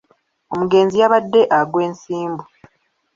Omugenzi yabadde agwa ensimbu.